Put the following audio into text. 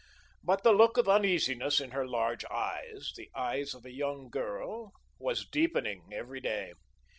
But the look of uneasiness in her large eyes the eyes of a young girl was deepening every day.